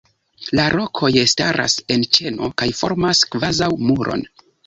La rokoj staras en ĉeno kaj formas kvazaŭ muron.